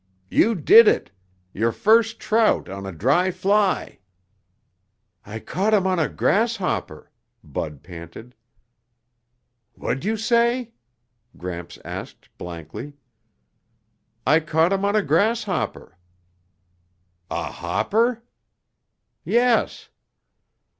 "You did it! Your first trout on a dry fly!" "I caught him on a grasshopper," Bud panted. "What'd you say?" Gramps asked blankly. "I caught him on a grasshopper." "A hopper?" "Yes."